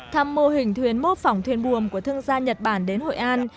thăm mô hình thuyền mô phỏng thuyền buồm của thương gia nhật bản đến hội an